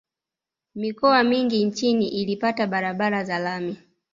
mikoa mingi nchini ilipata barabara za lami